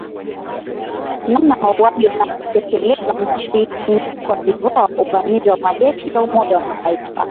namna mauaji wanavyotekelezwa nchini cote de voire uvamizi wa majeshi ya umoja wa mataifa